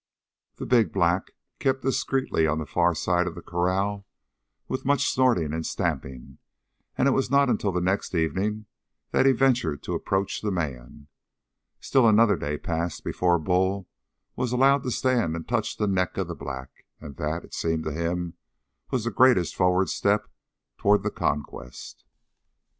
The big black kept discreetly on the far side of the corral with much snorting and stamping, and it was not until the next evening that he ventured to approach the man. Still another day passed before Bull was allowed to stand and touch the neck of the black; and that, it seemed to him, was the greatest forward step toward the conquest.